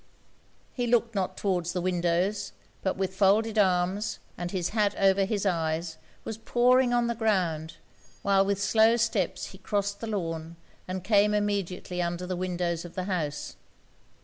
He looked not towards the windows; but with folded arms, and his hat over his eyes, was poring on the ground, while with slow steps he crossed the lawn and came immediately under the windows of the house.